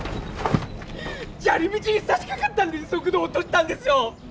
じゃり道にさしかかったんで速度を落としたんですよ。